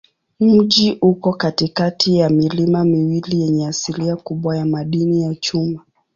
Mji uko katikati ya milima miwili yenye asilimia kubwa ya madini ya chuma.